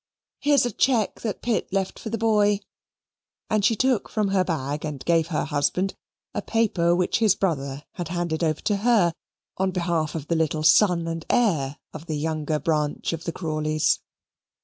Here's a cheque that Pitt left for the boy," and she took from her bag and gave her husband a paper which his brother had handed over to her, on behalf of the little son and heir of the younger branch of the Crawleys.